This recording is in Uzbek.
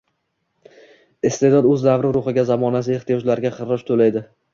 Iste’dod o‘z davri ruhiga, zamonasi ehtiyojlariga xiroj to‘laydi